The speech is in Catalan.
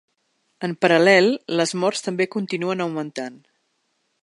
En paral·lel, les morts també continuen augmentant.